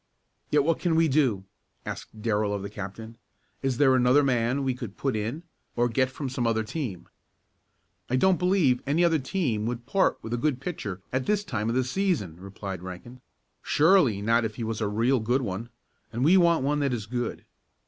"Yet what can we do?" asked Darrell of the captain. "Is there another man we could put in or get from some other team?" "I don't believe any other team would part with a good pitcher at this time of the season," replied Rankin. "Surely not if he was a real good one, and we want one that is good.